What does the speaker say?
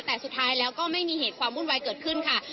แต่สุดท้ายแล้วก็ไม่มีเหตุความวุ่นวายเกิดขึ้นค่ะ